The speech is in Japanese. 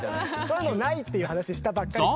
そういうのないっていう話したばっかり。